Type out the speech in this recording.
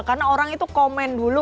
karena orang itu komen dulu